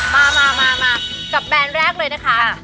มามากับแบรนด์แรกเลยนะคะ